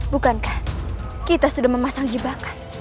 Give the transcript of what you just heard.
bukankah kita sudah memasang jebakan